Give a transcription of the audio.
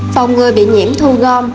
phòng người bị nhiễm thu gom